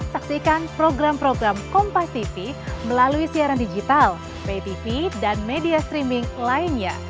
saksikan program program kompastv melalui siaran digital ptv dan media streaming lainnya